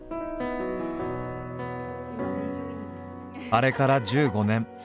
あれから１５年。